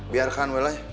biarkan boleh lah